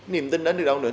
niềm tin đến từ đâu nữa